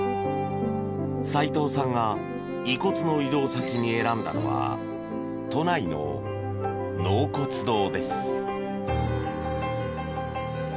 齋藤さんが遺骨の移動先に選んだのは都内の納骨堂です。